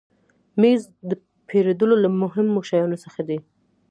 مېز د پیرودلو له مهمو شیانو څخه دی.